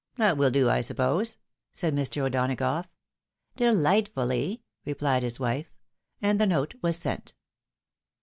That will do, I suppose? " said Mr. O'Donagough. " Delightfully !" replied his wife. And the note was Bent.